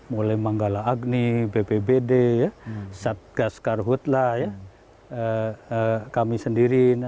mulai manggala agni bpbd satgas karhutlah ya kami sendiri